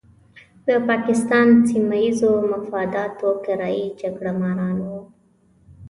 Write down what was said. د پاکستان سیمه ییزو مفاداتو کرایي جګړه ماران وو.